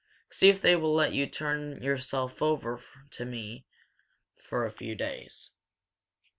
See if they will let you turn yourself over to me for a few days.